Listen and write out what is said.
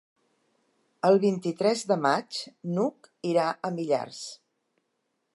El vint-i-tres de maig n'Hug irà a Millars.